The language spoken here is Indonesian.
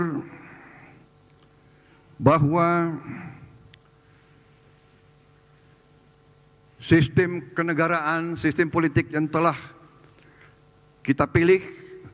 pertama bahwa sistem kenegaraan sistem politik yang telah kita pilih